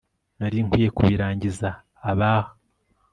nari nkwiye kubirangiza abah